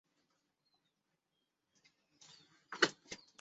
角色不清角色中断角色失败